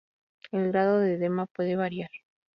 El grado de edema puede variar.